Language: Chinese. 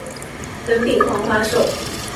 人比黄花瘦